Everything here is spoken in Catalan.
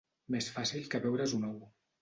Més fàcil que beure's un ou.